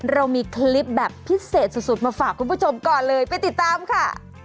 เรามีคลิปแบบพิเศษสุดมาฝากคุณผู้ชมก่อนเลยไปติดตามค่ะ